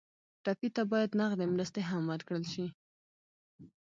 ټپي ته باید نغدې مرستې هم ورکړل شي.